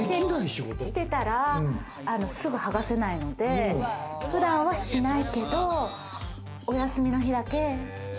してたらすぐ剥がせないので、普段はしないけど、お休みの日だけ。